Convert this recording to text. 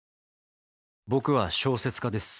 僕は小説家です。